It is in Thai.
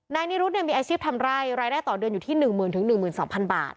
นายนิรุตเนี่ยมีอาชีพทำไรรายได้ต่อเดือนอยู่ที่หนึ่งหมื่นถึงหนึ่งหมื่นสองพันบาท